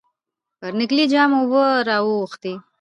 پر نکلي جام اوبه را واوښتې.